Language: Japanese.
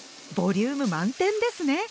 ボリューム満点ですね。